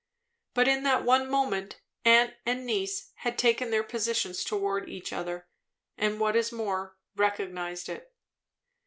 But in that one moment aunt and niece had taken their position towards each other, and what is more, recognized it.